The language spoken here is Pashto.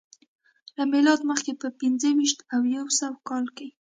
له میلاده مخکې په پنځه ویشت او یو سوه کال کې